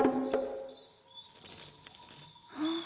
ああ。